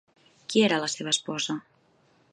Qui era la seva esposa?